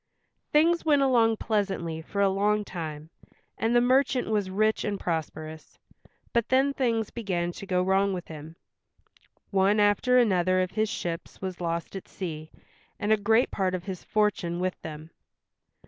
Things went along pleasantly for a long time, and the merchant was rich and prosperous, but then things began to go wrong with him. One after another of his ships was lost at sea, and a great part of his fortune with them.